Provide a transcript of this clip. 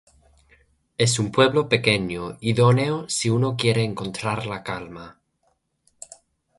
Es un pueblo pequeño, idóneo si uno quiere encontrar la calma.